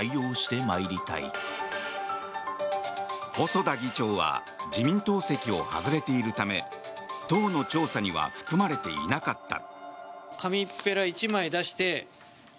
細田議長は自民党籍を外れているため党の調査には含まれていなかった。